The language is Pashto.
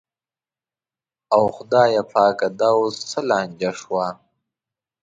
او خدایه پاکه دا اوس څه لانجه شوه.